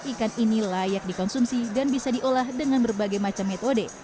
ikan ini layak dikonsumsi dan bisa diolah dengan berbagai macam metode